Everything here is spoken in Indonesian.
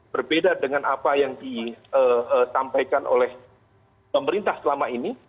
berbeda dengan apa yang disampaikan oleh pemerintah selama ini